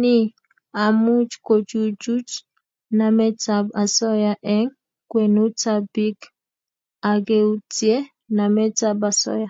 Ni komuch kochuchuch nametab osoya eng kwenutab bik akeutye nametab osoya